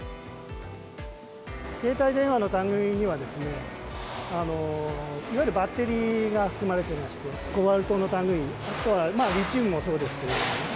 携帯電話のたぐいには、いわゆるバッテリーが含まれていまして、コバルトのたぐい、あとはリチウムもそうですけれども。